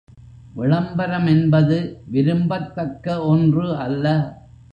விளம்பரம் என்பது விரும்பத்தக்க ஒன்று அல்ல.